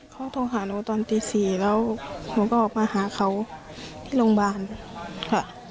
เขาโทรหาหนูตอนตี๔แล้วหนูก็ออกมาหาเขาที่โรงพยาบาลค่ะ